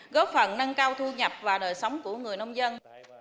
góp phần nâng cao thu nhập và đời sống của người nông dân